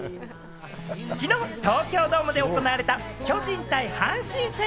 昨日、東京ドームで行われた巨人対阪神戦。